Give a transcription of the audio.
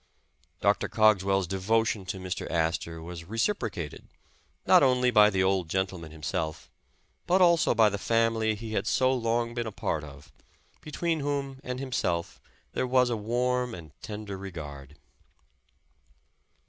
Dr. Cogswell's devotion to Mr. Astor was re ciprocated, not only by the old gentleman himself, but also by the family he had so long been a part of, be 295 The Original John Jacob Astor tween whom and himself there was a warm and tender regard.